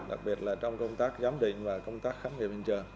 đặc biệt là trong công tác giám định và công tác khám nghiệp hình trường